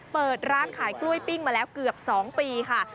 เปิดร้านขายกล้วยปิ้งมาแล้วเกือบ๒ปีค่ะ